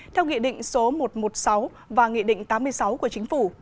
theo nghị định số một trăm một mươi sáu và nghị định tám mươi sáu của chính phủ